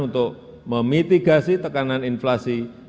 untuk memitigasi tekanan inflasi